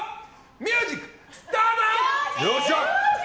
ミュージックスタート！